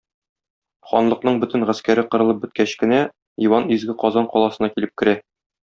Ханлыкның бөтен гаскәре кырылып беткәч кенә, Иван изге Казан каласына килеп керә.